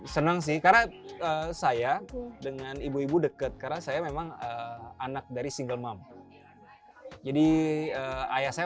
senang sih karena saya dengan ibu ibu deket karena saya memang anak dari single mom jadi ayah saya